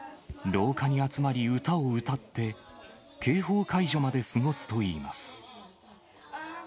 廊下に集まり歌を歌って、警報解除まで過ごすといいます。